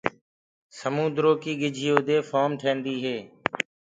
سموندرو ڪي ڳِجھيِو دي ڦوم ٽيندي هي۔